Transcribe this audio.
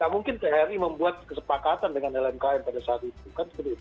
tapi pp ini membuat kesepakatan dengan lmkn pada saat itu